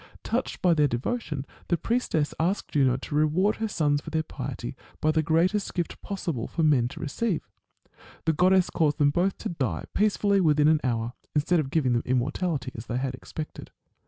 Touched by their devotion, the priestess asked Juno to reward her sons for their piety by the greatest gift possible for men to receive. The goddess caused them both to die peacefully within an hour, instead of giving them immor tality, as they had expected.